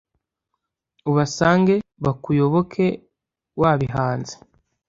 ubasange bakuyoboke wabihanze